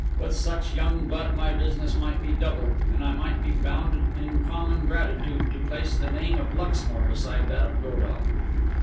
With such young blood my business might be doubled, and I might be bound in common gratitude to place the name of Luxmore beside that of Godall.